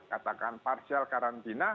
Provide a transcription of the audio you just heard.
katakan parsial karantina